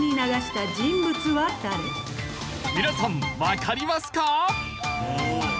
皆さんわかりますか？